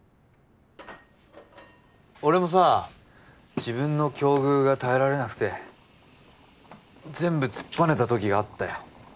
俺もさ自分の境遇が耐えられなくて全部突っぱねた時があったよ。